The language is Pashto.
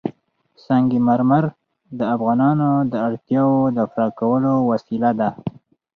سنگ مرمر د افغانانو د اړتیاوو د پوره کولو وسیله ده.